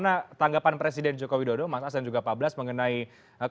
sekarang kita punya pembayaran yang cukup banyak